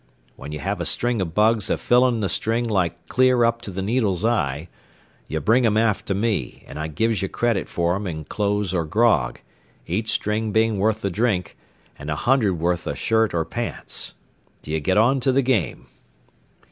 When ye have a string o' bugs a fillin' the string like clear up to the needle's eye, ye bring them aft to me, an' I gives ye credit fer them in clothes or grog, each string bein' worth a drink, an' a hundred worth a shirt or pants. Do ye get on to the game?"